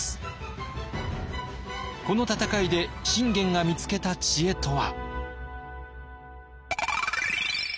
この戦いで信玄が見つけた知恵とは。